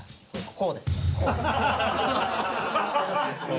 こうです。